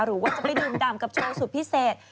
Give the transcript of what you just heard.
หรือว่าจะไปดื่มดำกับโชว์สุดพิเศษ